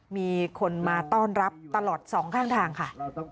มีคนมาต้อนรับตลอดสองข้างทางค่ะ